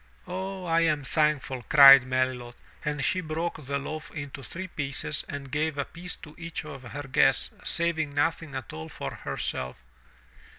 *'0h, I am thankful," cried Melilot, and she broke the loaf into three pieces and gave a piece to each of her guests, saving nothing at all for herself.